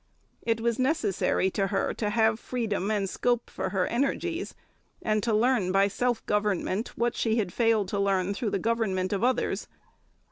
It was necessary to her to have freedom and scope for her energies, and to learn by self government what she had failed to learn through the government of others.